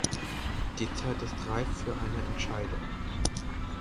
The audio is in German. Die Zeit ist reif für eine Entscheidung.